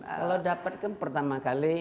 kalau dapatkan pertama kali